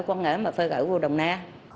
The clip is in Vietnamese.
thành là phải chuyển gỡ đó